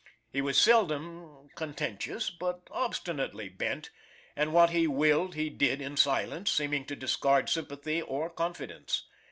He was seldom contentious, but obstinately bent, and what he willed, to did in silence, seeming to discard sympathy or confidence.